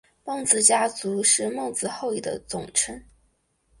孟子家族是孟子后裔的总称。